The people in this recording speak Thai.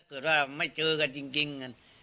เกิดว่าไม่เจอกันจริง